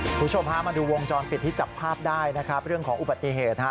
คุณผู้ชมฮะมาดูวงจรปิดที่จับภาพได้นะครับเรื่องของอุบัติเหตุฮะ